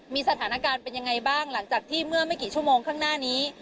มีสถานการณ์เป็นยังไงบ้างหลังจากที่เมื่อไม่กี่ชั่วโมงข้างหน้านี้